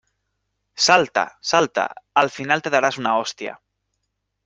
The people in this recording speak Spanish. Salta, salta, al final te darás una hostia.